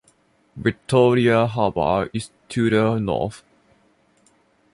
Victoria Harbour is to the north.